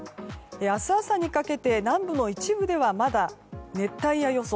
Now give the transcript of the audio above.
明日朝にかけて、南部の一部ではまだ熱帯夜予想。